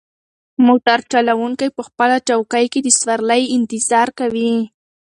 موټر چلونکی په خپله چوکۍ کې د سوارلۍ انتظار کوي.